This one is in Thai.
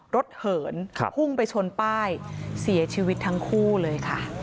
เหินพุ่งไปชนป้ายเสียชีวิตทั้งคู่เลยค่ะ